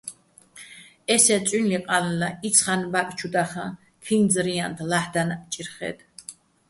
ესე წუ́ჲნლი ყანლა, იცხარნ ბა́კ ჩუ დახაჼ, ქინძ-რიანდ ლა́ჰ̦დანაჸ ჭირხე́თ.